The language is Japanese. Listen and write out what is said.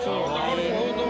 なるほど。